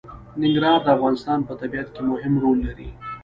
ننګرهار د افغانستان په طبیعت کې مهم رول لري.